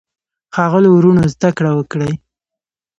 ښاغلو وروڼو زده کړه وکړئ.